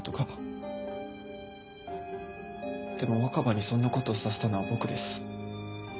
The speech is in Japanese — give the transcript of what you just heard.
でも若葉にそんな事をさせたのは僕です。